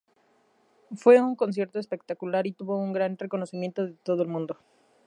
Fue un concierto espectacular y tuvo un gran reconocimiento de todo el mundo.